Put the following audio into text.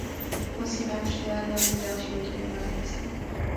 Musíme přihlédnout k dalším dvěma věcem.